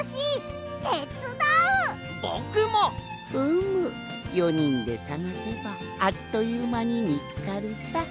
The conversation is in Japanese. うむ４にんでさがせばあっというまにみつかるさ。